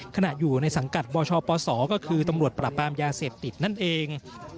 ขณะอยู่ในสังกัดบชปศก็คือตำรวจปราบปรามยาเสพติดนั่นเอง